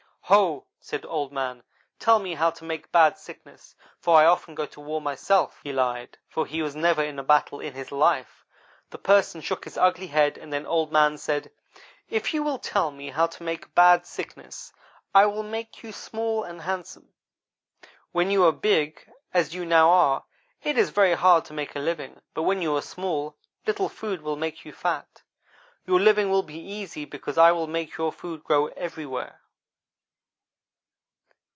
" 'Ho!' said Old man, 'tell me how to make Bad Sickness, for I often go to war myself.' He lied; for he was never in a battle in his life. The Person shook his ugly head and then Old man said: " 'If you will tell me how to make Bad Sickness I will make you small and handsome. When you are big, as you now are, it is very hard to make a living; but when you are small, little food will make you fat. Your living will be easy because I will make your food grow everywhere.'